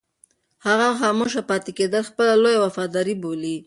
هغه خاموشه پاتې کېدل خپله لویه وفاداري بولي.